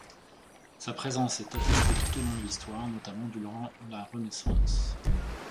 Sa présence est attestée tout au long de l'histoire notamment durant la Renaissance.